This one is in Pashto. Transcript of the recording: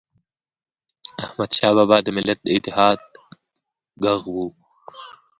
احمدشاه بابا د ملت د اتحاد ږغ و.